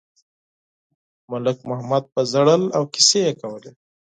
ملک محمد به ژړل او کیسې یې کولې.